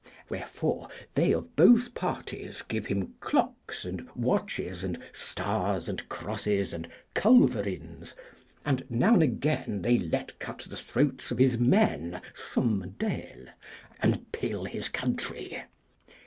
Wherefore they of both parties give him clocks, and watches, and stars, and crosses, and culverins, and now and again they let cut the throats of his men some deal, and pill his country.